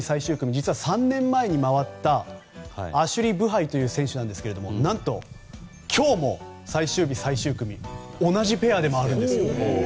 実は、３年前に回ったアシュリー・ブハイという選手なんですけれども何と今日も最終日最終組同じペアで回るんですよ。